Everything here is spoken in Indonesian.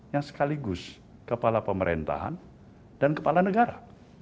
yang sekaligus kepala pemerintahan dan kepala negara